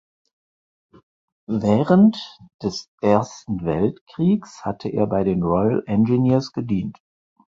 Während des Ersten Weltkriegs hatte er bei den Royal Engineers gedient.